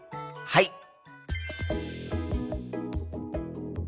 はい！